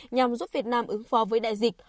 nhằm giúp việt nam ứng phó với đại dịch